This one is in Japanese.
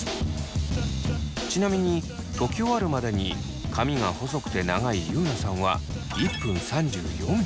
ちなみにとき終わるまでに髪が細くて長いゆうなさんは１分３４秒。